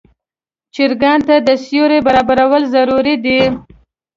چرګانو ته د سیوري برابرول ضروري دي.